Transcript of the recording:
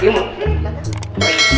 semua manusia pada odeng